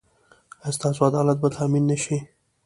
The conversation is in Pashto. ایا ستاسو عدالت به تامین نه شي؟